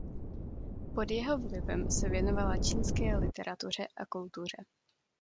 Pod jeho vlivem se věnovala čínské literatuře a kultuře.